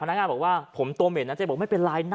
ยังคงเห็น